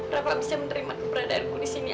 reva bisa menerima keberadaanku disini